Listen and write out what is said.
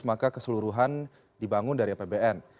maka keseluruhan dibangun dari apbn